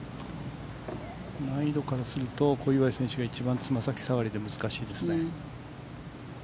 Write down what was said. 難易度からすると小祝選手が一番つま先下がりで難しいですね。